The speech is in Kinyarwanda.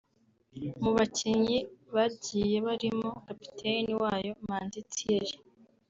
Mu bakinnyi bagiye barimo kapiteni wayo Manzi Thierry